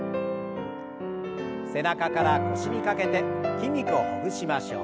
背中から腰にかけて筋肉をほぐしましょう。